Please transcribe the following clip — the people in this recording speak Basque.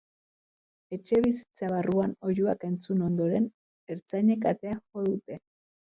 Etxebizitza barruan oihuak entzun ondoren, ertzainek atea jo dute.